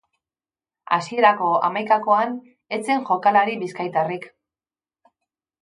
Hasierako hamaikakoan ez zen jokalari bizkaitarrik.